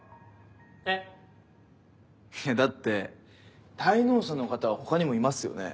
えっ？だって滞納者の方は他にもいますよね？